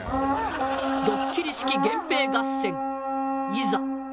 ドッキリ式源平合戦いざ開戦。